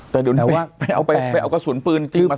แต่เดี๋ยวไปเอากระสุนปืนที่มาใส่